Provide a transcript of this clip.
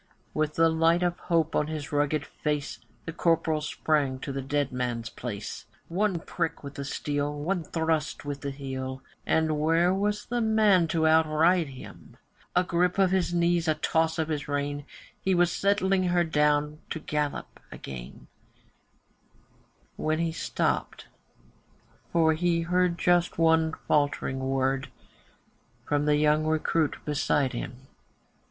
With the light of hope on his rugged face, The Corporal sprang to the dead man's place, One prick with the steel, one thrust with the heel, And where was the man to outride him? A grip of his knees, a toss of his rein, He was settling her down to her gallop again, When he stopped, for he heard just one faltering word From the young recruit beside him.